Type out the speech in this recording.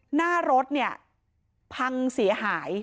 หน้ารถเนี่ยพังเสียหาย